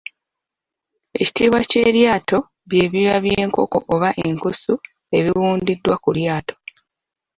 Ekitiibwa ky'eryato bye byoya by'enkoko oba enkusu ebiwundiddwa ku lyato.